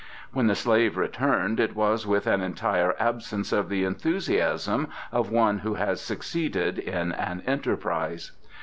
When the slave returned it was with an entire absence of the enthusiasm of one who has succeeded in an enterprise.